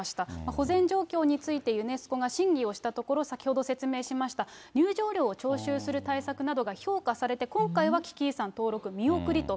保全状況について、ユネスコが審議をしたところ、先ほど説明しました入場料を徴収する対策などが評価されて、今回は危機遺産登録見送りと。